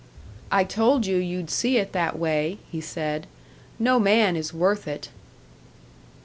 "I told you you'd see it that way," he said. "No man is worth it."